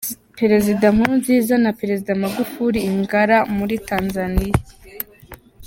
Perezida Nkurunziza na Perezida Magufuri i Ngara muri Tanzania